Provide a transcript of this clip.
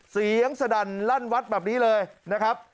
เสียงสั่นลั่นวัดแบบนี้เลยนะครับ